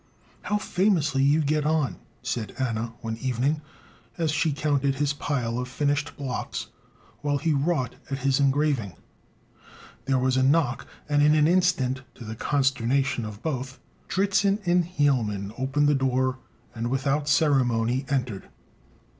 "How famously you get on!" said Anna, one evening, as she counted his pile of finished blocks while he wrought at his engraving. There was a knock; and, in an instant, to the consternation of both, Dritzhn and Hielman opened the door, and, without ceremony, entered.